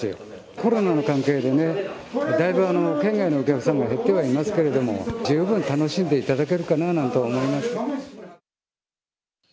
コロナの関係でね、だいぶ県外のお客さんは減ってはいますけど十分楽しんでいただけるかなと思います。